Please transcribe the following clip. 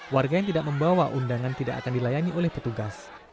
warga yang tidak membawa undangan tidak akan dilayani oleh petugas